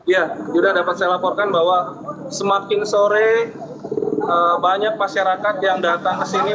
ya yuda dapat saya laporkan bahwa semakin sore banyak masyarakat yang datang ke sini